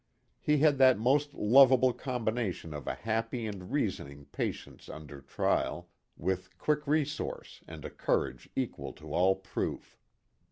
He had that most lovable combination of a happy and reasoning patience under trial, with quick re source and a courage equal to all proof.